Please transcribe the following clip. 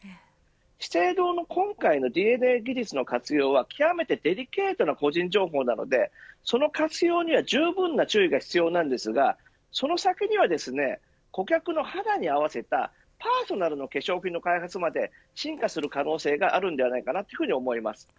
資生堂の今回のＤＮＡ技術の活用は極めてデリケートな個人情報なのでその活用にはじゅうぶんな注意が必要なんですがその先には顧客の肌に合わせたパーソナルな化粧品の開発まで進化する可能性があると思います。